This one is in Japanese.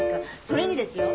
それにですよ